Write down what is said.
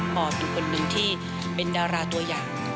ปอต้องเป็นคนหนึ่งที่เป็นดาราตัวอย่าง